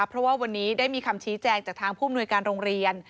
เพราะว่าวันนี้ได้มีคำชี้แจงจากทางผู้มนวยการโรงเรียน